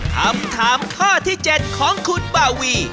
คำถามข้อที่เจ็ดของคุณบะวี่